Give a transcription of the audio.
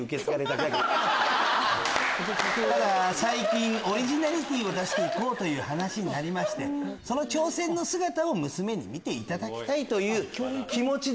最近オリジナリティーを出して行こうという話になってその挑戦の姿を娘に見ていただきたいという気持ちで。